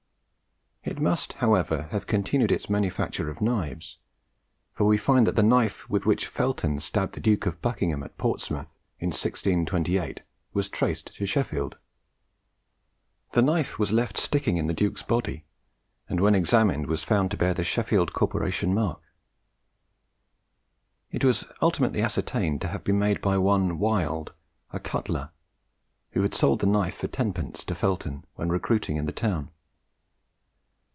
It must, however, have continued its manufacture of knives; for we find that the knife with which Felton stabbed the Duke of Buckingham at Portsmouth in 1628 was traced to Sheffield. The knife was left sticking in the duke's body, and when examined was found to bear the Sheffield corporation mark. It was ultimately ascertained to have been made by one Wild, a cutler, who had sold the knife for tenpence to Felton when recruiting in the town.